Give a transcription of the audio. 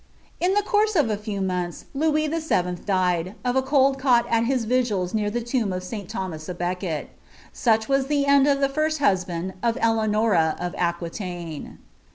In the course of a few months Louis VII. died, of a cold cangfel tf his vigils near the lomb of St. Thomas a Becket. Such was the ad itf the first husband of Elcanora of Aquitainc.